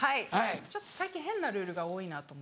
ちょっと最近変なルールが多いなと思って。